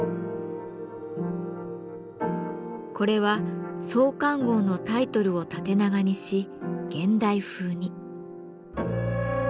これは創刊号のタイトルを縦長にし現代風に。